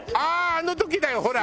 あの時だよほら！